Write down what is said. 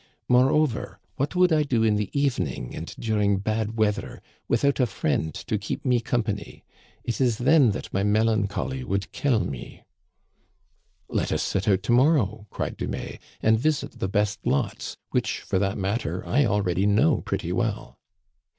Moreover, what would I do in the evening and during bad weath er, without a friend to keep me company ? It is then that my melancholy would kill me." Digitized by VjOOQIC 278 ^^^ CANADIANS OF OLD. " Let us set out to morrow," cried Dumais, " and visit the best lots, which, for that matter, I already know pretty well."